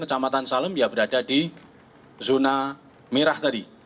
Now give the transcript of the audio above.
kecamatan salem ya berada di zona merah tadi